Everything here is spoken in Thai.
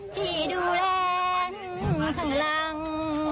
ที่ดูแลข้างหลัง